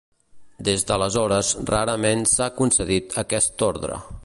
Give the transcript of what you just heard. Des d’aleshores rarament s’ha concedit aquest orde.